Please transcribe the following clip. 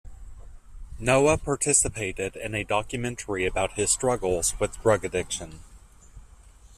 Noah participated in a documentary about his struggles with drug addiction.